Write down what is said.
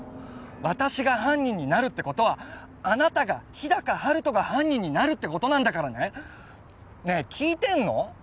私が犯人になるってことはあなたが日高陽斗が犯人になるってことなんだからねねえ聞いてんの？